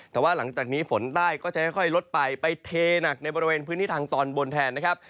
แต่ว่าหลังจากนี้ฝนใต้ก็จะค่อยลดไปไปเทหนักในบริเวณพื้นที่ทางตอนบนแทนนะครับ